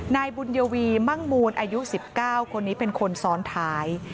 นายบุญยวีมั่งมูลอายุ๑๙คนนี้เป็นคนซ้อนท้าย